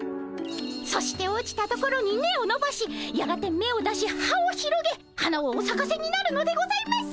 そして落ちたところに根をのばしやがてめを出し葉を広げ花をおさかせになるのでございます。